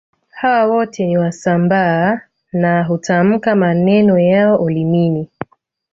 Hawa wote ni Wasambaa na hutamka maneno yao ulimini